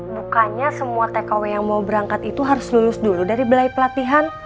mukanya semua tkw yang mau berangkat itu harus lulus dulu dari belai pelatihan